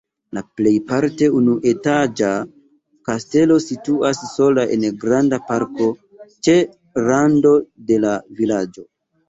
La plejparte unuetaĝa kastelo situas sola en granda parko ĉe rando de la vilaĝo.